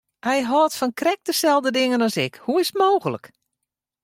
Hy hâldt fan krekt deselde dingen as ik, hoe is it mooglik!